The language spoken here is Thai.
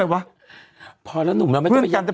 เป็นการกระตุ้นการไหลเวียนของเลือด